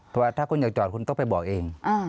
เพราะว่าถ้าคุณอยากจอดคุณต้องไปบอกเอง